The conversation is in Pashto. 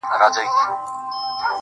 ککرۍ يې دي رېبلي دې بدرنگو ککریو.